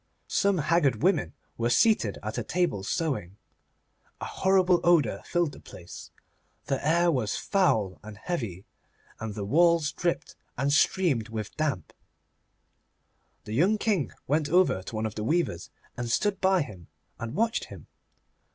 Some haggard women were seated at a table sewing. A horrible odour filled the place. The air was foul and heavy, and the walls dripped and streamed with damp. The young King went over to one of the weavers, and stood by him and watched him.